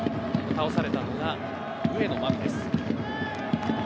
倒されたのが、上野真実です。